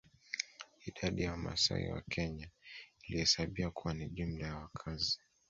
Idadi ya Wamasai wa Kenya ilihesabiwa kuwa ni jumla ya wakazi